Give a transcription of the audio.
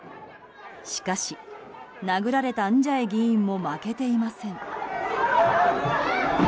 しかし、殴られたンジャエ議員も負けていません。